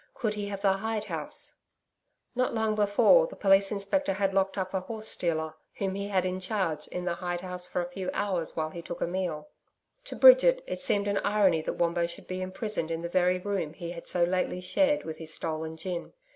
Could he have the hide house? Not long before, the Police Inspector had locked up a horse stealer, whom he had in charge, in the hide house for a few hours while he took a meal. To Bridget it seemed an irony that Wombo should be imprisoned in the very room he had so lately shared with his stolen gin.